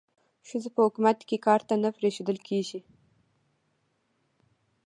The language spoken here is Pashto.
ښځې په حکومت کې کار ته نه پریښودل کېږي.